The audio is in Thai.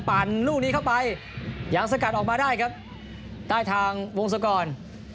ลูกนี้เข้าไปยังสกัดออกมาได้ครับได้ทางวงศกร